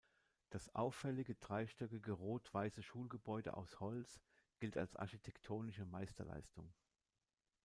Das auffällige dreistöckige rot-weiße Schulgebäude aus Holz gilt als architektonische Meisterleistung.